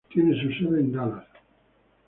Tiene su sede en Dallas.